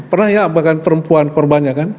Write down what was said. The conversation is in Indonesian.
pernah ya bahkan perempuan korbannya kan